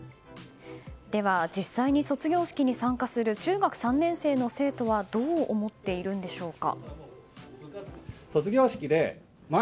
では、実際に卒業式に参加する中学３年生の生徒はどう思っているんでしょうか。